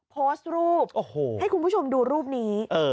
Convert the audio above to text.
โพสต์รูปให้คุณผู้ชมดูรูปนี้